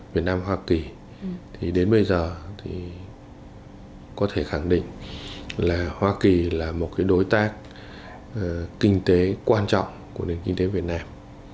việt nam hoa kỳ thì đến bây giờ thì có thể khẳng định là hoa kỳ là một đối tác kinh tế quan trọng của nền kinh tế việt nam